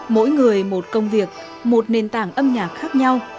mỗi người một công việc một nền tảng âm nhạc khác nhau